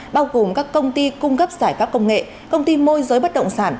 bao gồm các công ty cung cấp giải pháp công nghệ công ty môi giới bất động sản